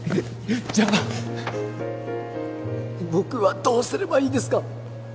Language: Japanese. じゃあ僕はどうすればいいですか？